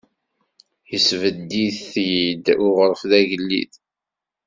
Yesbedd-it-id uɣref d agellid.